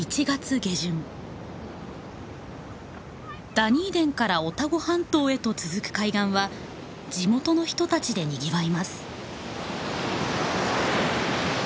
ダニーデンからオタゴ半島へと続く海岸は地元の人たちでにぎわいます。